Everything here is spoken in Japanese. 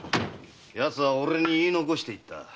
奴は俺に言い残していった。